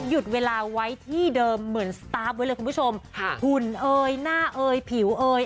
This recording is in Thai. หยุดเวลาไว้ที่เดิมเหมือนสตาร์ฟไว้เลยคุณผู้ชมค่ะหุ่นเอ่ยหน้าเอยผิวเอย